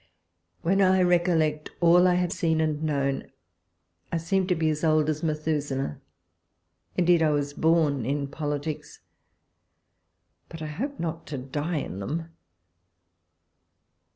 When I recollect all I have seen and known, I seem to be as old as Methuselah: indeed I was born in politics — but I hope not to die in them.